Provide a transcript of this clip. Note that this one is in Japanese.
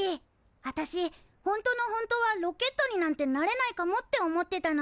あたしほんとのほんとはロケットになんてなれないかもって思ってたの。